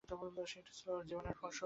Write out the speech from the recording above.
সেইটে ওর জীবনের ফসল, তাতেই ও পায় আনন্দ।